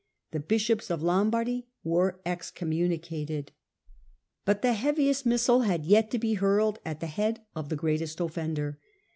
The bishops of Lombardy were excommunicated. But the heaviest missile had yet to be hurled at the head of the greatest ofiender.